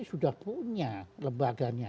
sudah punya lembaganya